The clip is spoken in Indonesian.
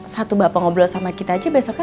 satu bapak ngobrol sama kita aja besoknya